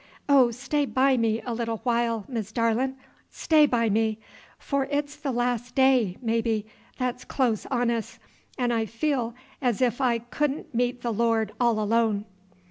Oh, stay by me a little while, Miss Darlin'! stay by me! for it's th' Las' Day, maybe, that's close on us, 'n' I feel as if I could n' meet th' Lord all alone!"